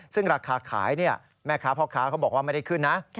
ซึ่งราคาขายแม่ค้าพ่อค้าเขาบอกว่าไม่ได้ขึ้นนะ